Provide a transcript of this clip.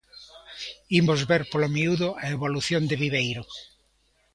Imos ver polo miúdo a evolución de Viveiro.